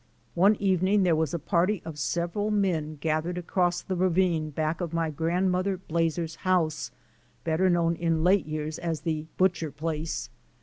One evening there was a party of several men gathered across the ravine back of my grandmother Blazer's house, better known in late years as the Butcher place.